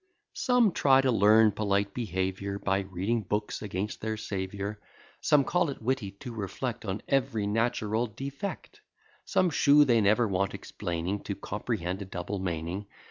Some try to learn polite behaviour By reading books against their Saviour; Some call it witty to reflect On ev'ry natural defect; Some shew they never want explaining To comprehend a double meaning.